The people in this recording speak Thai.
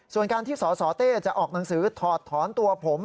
ส่วนการที่สสเต้จะออกหนังสือถอดถอนตัวผม